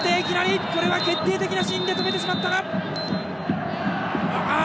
これは決定的なシーンで止めてしまったか